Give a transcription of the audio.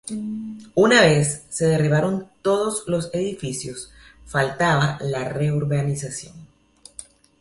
Una vez se derribaron todos los edificios, faltaba la reurbanización.